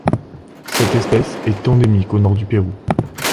Cette espèce est endémique au nord du Pérou.